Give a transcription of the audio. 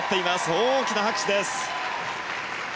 大きな拍手です。